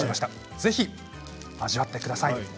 ぜひ味わってください。